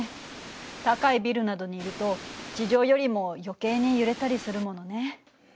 高いビルなどにいると地上よりも余計に揺れたりするものね。